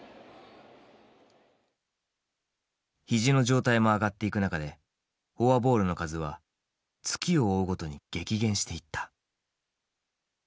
肘の状態も上がっていく中でフォアボールの数は月を追うごとに激減していった。